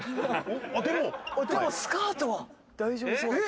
でもスカートは大丈夫そうな気がする。